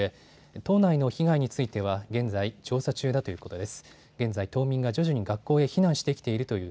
島内の被害については現在、調査中だということです。